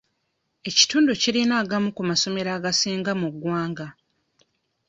Ekitundu kirina agamu ku masomero agasinga mu ggwanga.